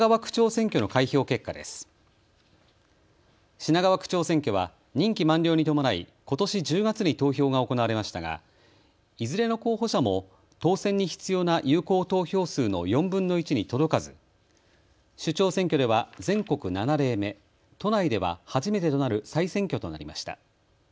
品川区長選挙は任期満了に伴いことし１０月に投票が行われましたがいずれの候補者も当選に必要な有効投票数の４分の１に届かず首長選挙では全国７例目、都内では初めてとなる再選挙となりました。